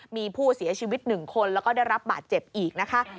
มีผู้เสียชีวิต๑คนแล้วก็ได้รับบาดเจ็บอีกนะคะ